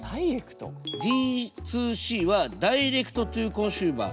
Ｄ２Ｃはダイレクトトゥーコンシューマー。